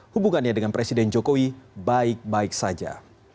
hubungannya dengan presiden jokowi baik baik saja